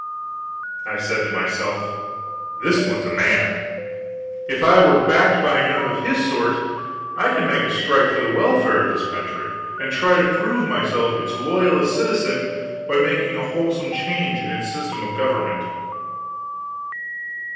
I said to myself: "This one's a man. If I were backed by enough of his sort, I would make a strike for the welfare of this country, and try to prove myself its loyalest citizen by making a wholesome change in its system of government."